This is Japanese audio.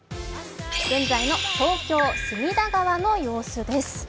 現在の東京・隅田川の様子です。